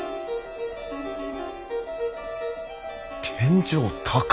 天井高っ！